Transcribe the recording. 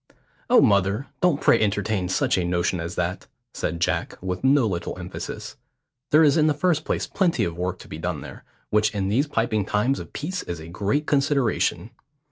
"Oh, mother, don't pray entertain such a notion as that," said Jack, with no little emphasis. "There is in the first place plenty of work to be done there, which in these piping times of peace is a great consideration.